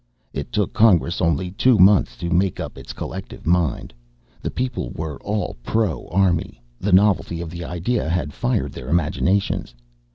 It took Congress only two months to make up its collective mind. The people were all pro Army. The novelty of the idea had fired their imaginations.